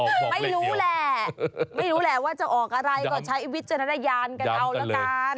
ไม่รู้แหละไม่รู้แหละว่าจะออกอะไรก็ใช้วิจารณญาณกันเอาละกัน